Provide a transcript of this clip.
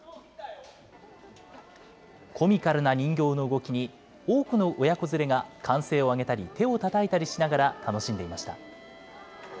コミカルな人形の動きに、多くの親子連れが歓声を上げたり、手をたたいたりしながら楽しんでいました。